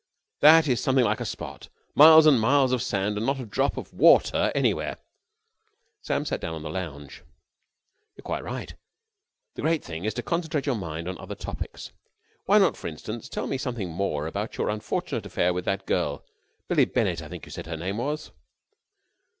That is something like a spot! Miles and miles of sand and not a drop of water anywhere!" Sam sat down on the lounge. "You're quite right. The great thing is to concentrate your mind on other topics. Why not, for instance, tell me some more about your unfortunate affair with that girl Billie Bennett I think you said her name was."